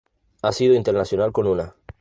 Ha sido internacional con una